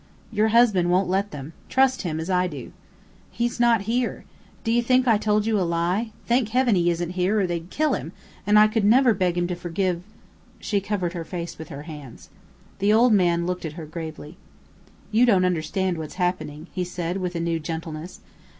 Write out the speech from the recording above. "Your husband won't let them. Trust him, as I do." "He's not here. Do you think I told you a lie? Thank Heaven he isn't here, or they'd kill him, and I could never beg him to forgive " She covered her face with her hands. The old man looked at her gravely. "You don't understand what's happening," he said, with a new gentleness.